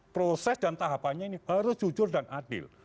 proses dan tahapannya ini harus jujur dan adil